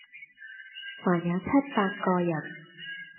還有七八個人，